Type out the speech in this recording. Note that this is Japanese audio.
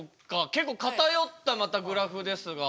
結構片寄ったまたグラフですが。